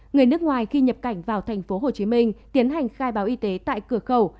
người nước ngoài khi nhập cảnh vào tp hcm tiến hành khai báo y tế tại cửa khẩu